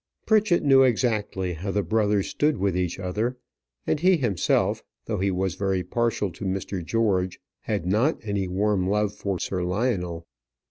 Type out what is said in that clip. Pritchett knew exactly how the brothers stood with each other; and he himself, though he was very partial to Mr. George, had not any warm love for Sir Lionel.